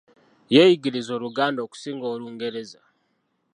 Yeeyigiriza OLuganda okusinga Olungereza.